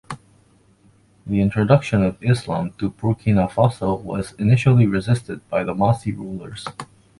The introduction of Islam to Burkina Faso was initially resisted by the Mossi rulers.